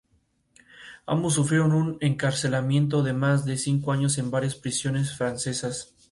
Ambos sufrieron un encarcelamiento de más de cinco años en varias prisiones francesas.